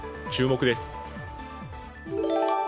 注目です。